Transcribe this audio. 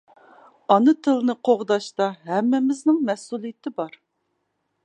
ئانا تىلنى قوغداشتا ھەممىمىزنىڭ مەسئۇلىيىتى بار.